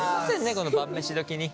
この晩飯時に。